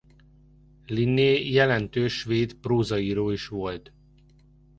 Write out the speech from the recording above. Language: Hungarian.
Linné jelentős svéd prózaíró is volt.